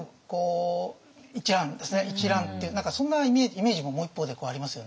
とにかく何かそんなイメージももう一方でありますよね。